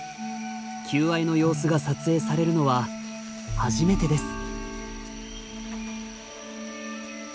求愛の様子が撮影されるのは初めてです。